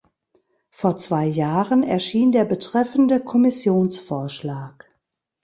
Vor zwei Jahren erschien der betreffende Kommissionsvorschlag.